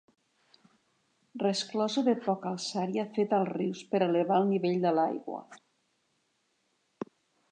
Resclosa de poca alçària fet als rius per elevar el nivell de l'aigua.